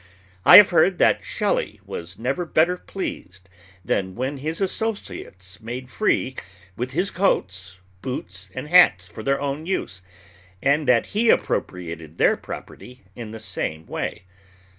I have heard that Shelley was never better pleased than when his associates made free with his coats, boots, and hats for their own use, and that he appropriated their property in the same way.